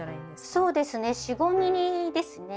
そうですね４５ｍｍですね。